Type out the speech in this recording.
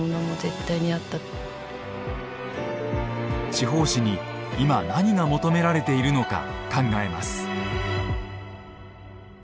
地方紙に今何が求められているのか考えます。